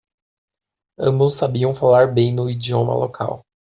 Ambos sabiam falar bem no idioma local.